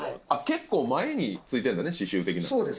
結構前に付いてるんだね刺繍的な。